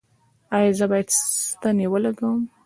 ایا زه باید ستنې ولګوم؟